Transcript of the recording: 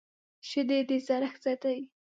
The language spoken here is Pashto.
شیدې د زړښت ضد دي